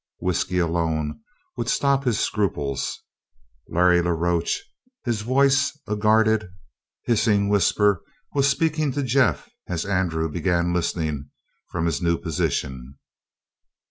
Whisky alone would stop his scruples. Larry la Roche, his voice a guarded, hissing whisper, was speaking to Jeff as Andrew began listening from his new position.